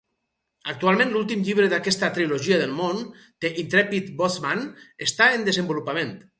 Actualment l'últim llibre d'aquesta "trilogia del món", "The Intrepid Boatsman", està en desenvolupament.